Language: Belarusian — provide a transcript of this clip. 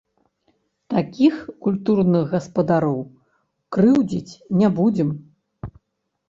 Такіх культурных гаспадароў крыўдзіць не будзем.